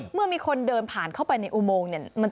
เมื่อมีคนเดินผ่านเข้าไปในอุโมงเนี่ย